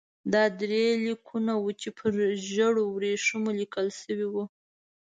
دا درې لیکونه وو چې پر ژړو ورېښمو لیکل شوي وو.